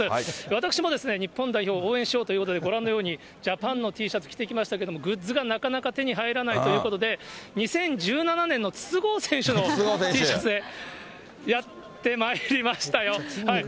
私もですね、日本代表を応援しようということで、ご覧のように、ジャパンのＴシャツ着てきましたけど、グッズがなかなか手に入らないということで、２０１７年の筒香選手のＴシャツでやってまいりましたよ。